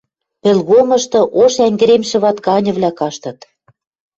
Пӹлгомышты ош ӓнгӹремшӹвад ганьывлӓ каштыт.